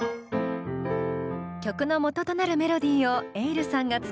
曲の元となるメロディーをｅｉｌｌさんが作ります。